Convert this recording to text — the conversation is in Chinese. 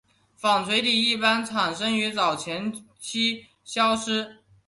纺锤体一般产生于早前期消失。